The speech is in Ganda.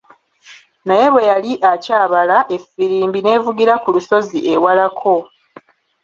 Naye bwe yali akyabala, effirimbi n'evugira ku lusozi ewalako.